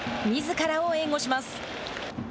みずからを援護します。